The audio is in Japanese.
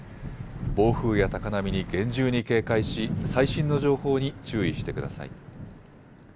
暴風や高波に厳重に警戒し最新の情報に注意してください。